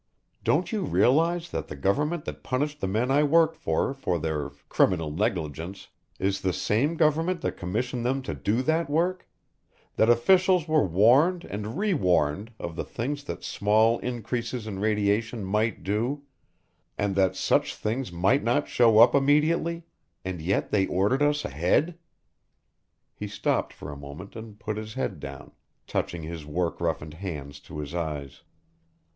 "Don't you realize that the government that punished the men I worked with for their 'criminal negligence' is the same government that commissioned them to do that work that officials were warned and rewarned of the things that small increases in radiation might do and that such things might not show up immediately and yet they ordered us ahead?" He stopped for a moment and put his head down, touching his work roughened hands to his eyes.